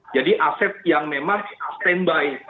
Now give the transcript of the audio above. jadi aset yang memang standby